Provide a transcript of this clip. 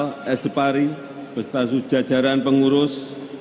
yang saya hormati pak es depari beserta seluruh jajaran pengurus